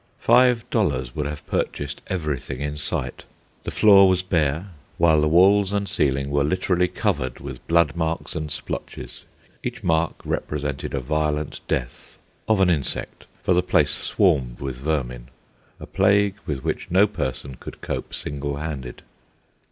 Five dollars would have purchased everything in sight. The floor was bare, while the walls and ceiling were literally covered with blood marks and splotches. Each mark represented a violent death—of an insect, for the place swarmed with vermin, a plague with which no person could cope single handed.